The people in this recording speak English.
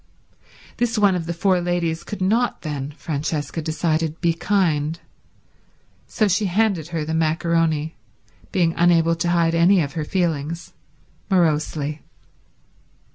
This one of the four ladies could not then, Francesca decided, be kind; so she handed her the macaroni, being unable to hide any of her feelings, morosely.